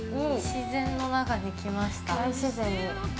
自然の中に来ました。